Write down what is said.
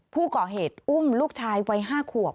ผู้ก่อเหตุอุ้มลูกชายวัย๕ขวบ